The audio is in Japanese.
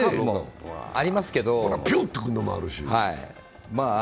ぴゅっとくるのもあるし。